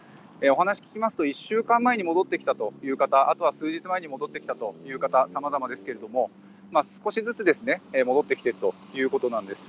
お話を聞きますと１週間前に戻ってきたという方数日前に戻ってきた方さまざまですが少しずつ戻ってきているということです。